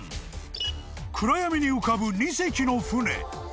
［暗闇に浮かぶ２隻の船］